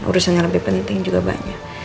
urusan yang lebih penting juga banyak